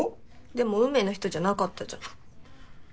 でも運命の人じゃなかったじゃん。